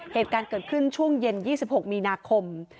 เหตุการณ์เกิดขึ้นช่วงเย็น๒๖มีนาคม